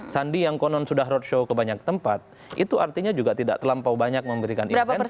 sandi yang konon sudah roadshow ke banyak tempat itu artinya juga tidak terlampau banyak memberikan intensi